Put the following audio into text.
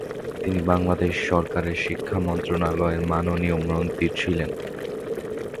তিনি বাংলাদেশ সরকারের শিক্ষা মন্ত্রণালয়ের মাননীয় মন্ত্রী ছিলেন।